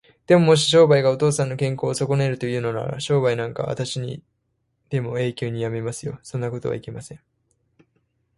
でも、もし商売がお父さんの健康をそこねるというのなら、商売なんかあしたにでも永久にやめますよ。そんなことはいけません。